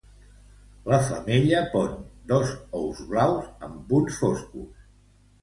La femella pon dos ous blaus amb punts foscos.